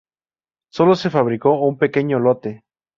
Solo se fabricó un pequeño lote.